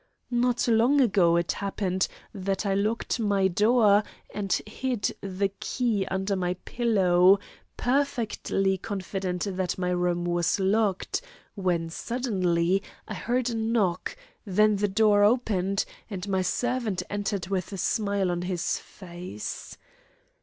Not long ago it happened that I locked my door and hid the key under my pillow, perfectly confident that my room was locked, when suddenly I heard a knock, then the door opened, and my servant entered with a smile on his face.